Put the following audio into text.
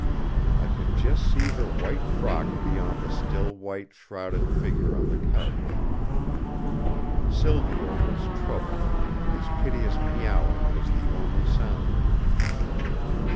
I could just see her white frock beyond the still white shrouded figure on the couch. Silvio was troubled; his piteous mewing was the only sound in the room.